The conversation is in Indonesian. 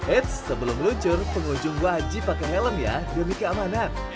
eits sebelum luncur pengunjung wajib pakai helm ya demi keamanan